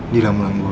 di lamu lamu gue